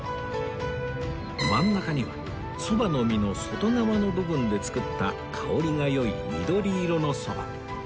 真ん中にはそばの実の外側の部分で作った香りが良い緑色のそば